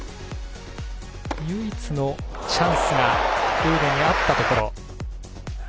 唯一のチャンスがルーネにあったところ。